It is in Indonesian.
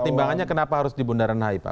pertimbangannya kenapa harus di bundaran hi pak